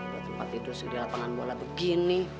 buat tempat tidur sedia lapangan bola itu gini